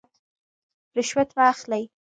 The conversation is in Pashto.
رشوت مه اخلئ